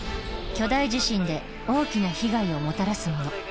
巨大地震で大きな被害をもたらすもの。